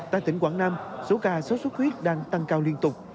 tại tỉnh quảng nam số ca sốt xuất huyết đang tăng cao liên tục